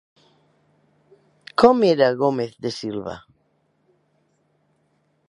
Com era Gómez de Silva?